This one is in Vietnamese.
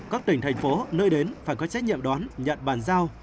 các tỉnh thành phố nơi đến phải có trách nhiệm đón nhận bàn giao